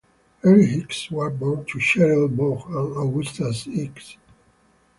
Eric Hicks was born to Cheryl Vaughn and Augustas Hicks.